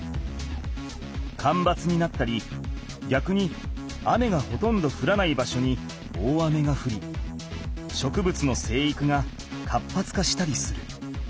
かんばつになったりぎゃくに雨がほとんどふらない場所に大雨がふり植物の生育が活発化したりする。